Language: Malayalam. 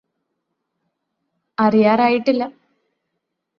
അറിയാറായിട്ടില്ല